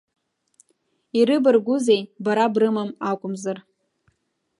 Ирыбаргәызеи, бара брымам акәымзар.